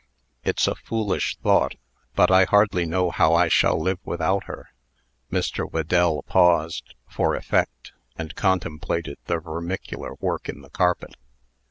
It's a foolish thought, but I hardly know how I shall live without her." Mr. Whedell paused, for effect, and contemplated the vermicular work in the carpet.